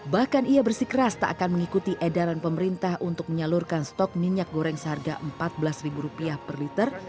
bahkan ia bersikeras tak akan mengikuti edaran pemerintah untuk menyalurkan stok minyak goreng seharga rp empat belas per liter